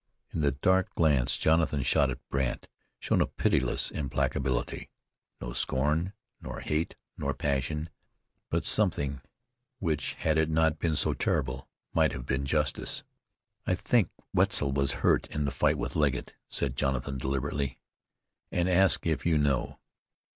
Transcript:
In the dark glance Jonathan shot at Brandt shone a pitiless implacability; no scorn, nor hate, nor passion, but something which, had it not been so terrible, might have been justice. "I think Wetzel was hurt in the fight with Legget," said Jonathan deliberately, "an' ask if you know?"